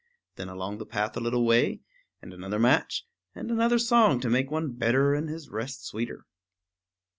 Then along the path a little way, and another match, and another song to make one better and his rest sweeter.